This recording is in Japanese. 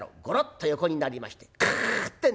ゴロッと横になりましてグッ